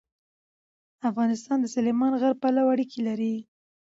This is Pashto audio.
افغانستان د سلیمان غر پلوه اړیکې لري.